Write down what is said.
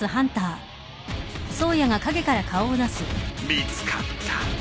見つかった！